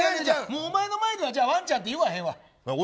お前の前ではワンちゃんって言わへんわ。